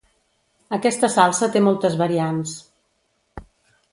Aquesta salsa té moltes variants.